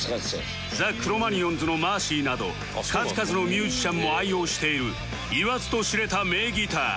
ザ・クロマニヨンズのマーシーなど数々のミュージシャンも愛用している言わずと知れた名ギター